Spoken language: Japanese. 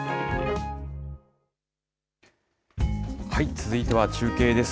続いては中継です。